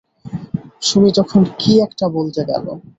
সুমী তখন কী একটা বলতে গেল!